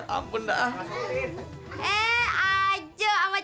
tapi modelnya jangan